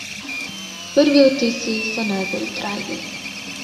Prvi vtisi so najbolj trajni.